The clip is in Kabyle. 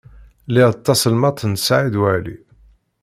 Lliɣ d taselmadt n Saɛid Waɛli.